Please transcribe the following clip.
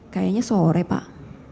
kayaknya sore pak